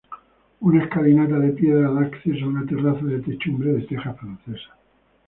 Una escalinata de piedra da acceso a una terraza de techumbre de tejas francesas.